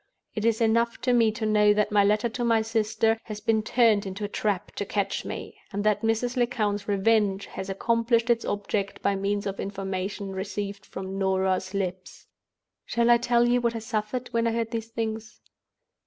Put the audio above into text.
It is enough for me to know that my letter to my sister has been turned into a trap to catch me, and that Mrs. Lecount's revenge has accomplished its object by means of information received from Norah's lips. "Shall I tell you what I suffered when I heard these things?